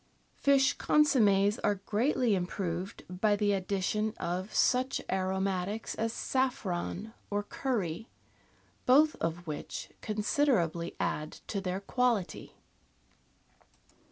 Fish consommi^s are greatly improved by the addition of PONDS DE CUISINE 1 such ftfothatics as saffron or curry, both of which considerably add to their quahty.